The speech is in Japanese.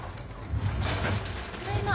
ただいま。